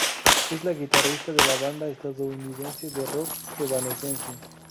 Es la guitarrista de la banda estadounidense de rock Evanescence.